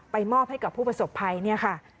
มอบให้กับผู้ประสบภัยเนี่ยค่ะ